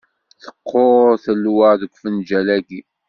Teqqur ttelwa deg ufenǧal-ayi.